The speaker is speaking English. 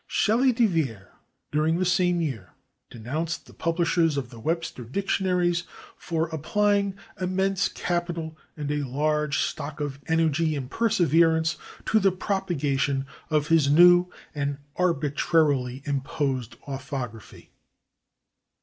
Schele de Vere, during the same year, denounced the publishers of the Webster dictionaries for applying "immense capital and a large stock of energy and perseverance" to the propagation of his "new and arbitrarily imposed orthography."